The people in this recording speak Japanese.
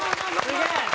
すげえ！